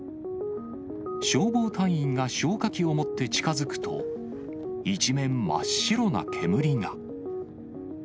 消防隊員が消火器を持って近づくと、一面、真っ白な煙が。